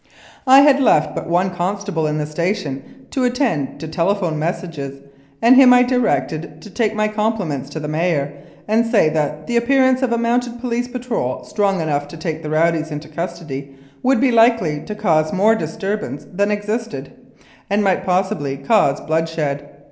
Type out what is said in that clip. I had left but one constable in the station to attend to telephone messages, and him I directed to take my compliments to the mayor and say that the appearance of a Mounted Police patrol strong enough to take the rowdies into custody would be likely to cause more disturbance than then existed, and might possibly cause bloodshed.